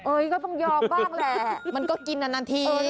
ก็ต้องยอมบ้างแหละมันก็กินนานที